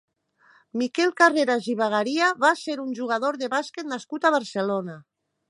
Miquel Carreras i Bagaria va ser un jugador de bàsquet nascut a Barcelona.